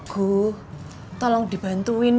iogu tolong dibantuin yo